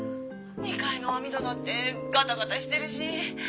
２階の網戸だってガタガタしてるし。